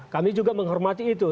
kami juga menghormati itu